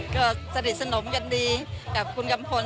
ก็สนิทสนมกันดีกับคุณกัมพล